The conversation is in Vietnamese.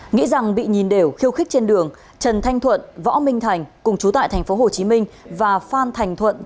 nghĩ rằng bị nhìn đều khiêu khích trên đường trần thanh thuận võ minh thành cùng chú tại thành phố hồ chí minh và phan thành thuận